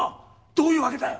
どういうわけだよ。